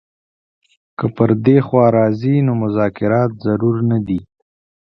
که پر دې خوا راځي نو مذاکرات ضرور نه دي.